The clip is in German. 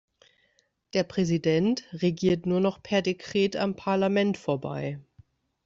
Der Präsident regiert nur noch per Dekret am Parlament vorbei.